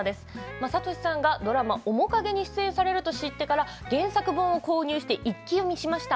雅俊さんがドラマ「おもかげ」に出演されると知ってから原作本を購入して一気読みしました。